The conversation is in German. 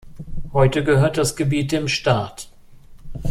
Heute gehört das Gebiet dem Staat.